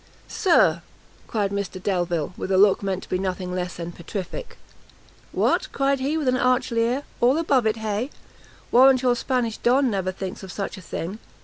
"Sir!" cried Mr Delvile, with a look meant to be nothing less than petrific. "What!" cried he, with an arch leer; "all above it, hay? warrant your Spanish Don never thinks of such a thing!